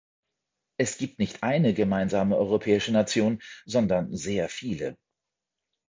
Es gibt nicht eine gemeinsame europäische Nation, sondern sehr viele.